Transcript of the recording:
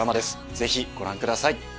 ぜひご覧ください。